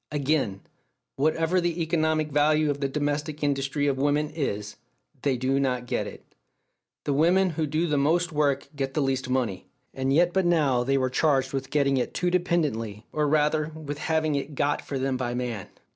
Again: "Whatever the economic value of the domestic industry of women is, they do not get it. The women who do the most work get the least money." And yet but now they were charged with "getting it" too dependently, or rather, with having it "got" for them by man!